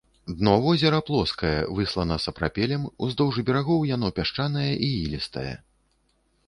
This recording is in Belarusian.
Дно возера плоскае, выслана сапрапелем, уздоўж берагоў яно пясчанае і ілістае.